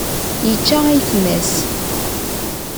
Yečča ayetma-s.